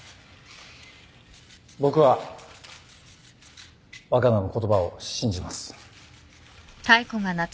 僕は若菜の言葉を信じます。